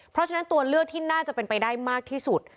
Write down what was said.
เพราะฉะนั้นตัวเลือกที่น่าจะเป็นไปได้มากที่สุด